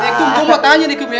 nekum gue mau tanya nih nekum ya